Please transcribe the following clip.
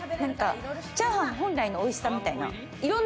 チャーハン本来の美味しさみたいな。